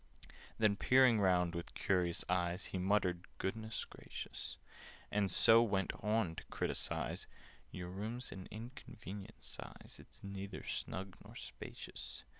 Then, peering round with curious eyes, He muttered "Goodness gracious!" And so went on to criticise— "Your room's an inconvenient size: It's neither snug nor spacious.